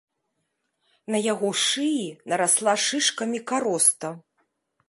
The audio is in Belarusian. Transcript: На яго шыі нарасла шышкамі кароста.